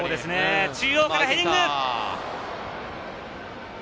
中央からヘディング！